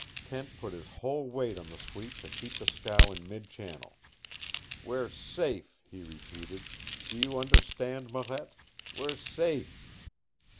Kent put his whole weight on the sweep to keep the scow in mid channel. "We're safe," he repeated. "Do you understand, Marette? WE'RE SAFE!"